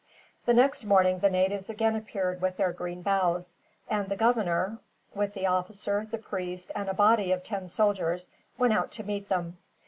The next morning the natives again appeared with their green boughs; and the governor, with the officer, the priest, and a body of ten soldiers, went out to meet them.